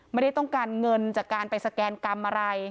ไม่ได้ต้องการเงินจากการไปสแกนกรรมอะไร